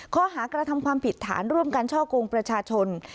ข้อหากระทำความผิดฐานร่วมการช่อกงประชาชน